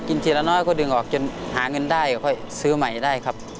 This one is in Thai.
ทีละน้อยก็ดึงออกจนหาเงินได้ค่อยซื้อใหม่ได้ครับ